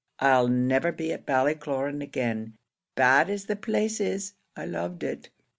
I'll never be at Ballycloran again. Bad as the place is, I loved it.